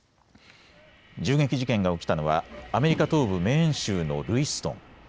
銃撃事件が起きたのはアメリカ東部メーン州のルイストン。